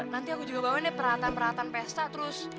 nanti aku juga bawain peralatan peralatan pesta terus